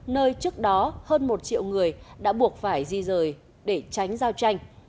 nơi trước đó hơn một triệu người đã buộc phải di rời để tránh giao tranh